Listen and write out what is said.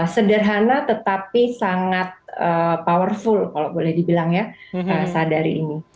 sederhana tetapi sangat powerful kalau boleh dibilang ya sadari ini